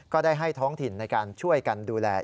ได้ให้ท้องถิ่นในการช่วยกันดูแล